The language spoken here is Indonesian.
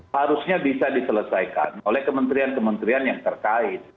harusnya bisa diselesaikan oleh kementerian kementerian yang terkait